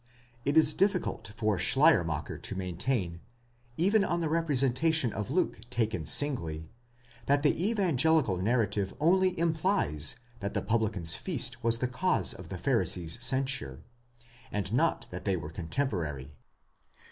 It is difficult for Schleiermacher to maintain, even on the representation of Luke taken singly, that the evangelical narrative only implies, that the publican's feast was the cause of the Pharisees' censure, and not that they were contemporary.